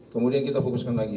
kemudian kita fokuskan lagi